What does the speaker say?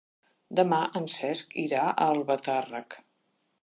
Demà en Cesc irà a Albatàrrec.